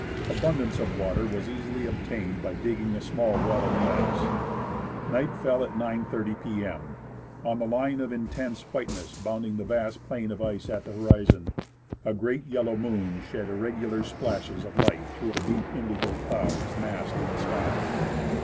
Abundance of water was easily obtained by digging a small well in the ice. Night fell at 9.30 p.m. On the line of intense white ness bounding the vast plain of ice at the horizon, a great yellow moon shed irregular splashes of light through the deep indigo clouds massed in the sky.